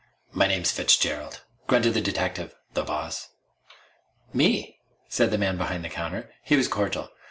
"My name's Fitzgerald," grunted the detective. "The boss?" "Me," said the man behind the counter. He was cordial.